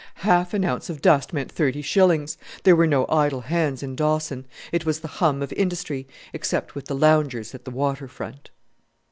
Half an ounce of dust meant thirty shillings. There were no idle hands in Dawson; it was the hum of industry, except with the loungers at the water front.